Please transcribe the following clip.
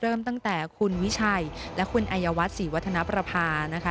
เริ่มตั้งแต่คุณวิชัยและคุณอายวัฒนศรีวัฒนประภานะคะ